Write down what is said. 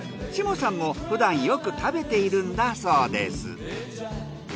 下さんもふだんよく食べているんだそうです。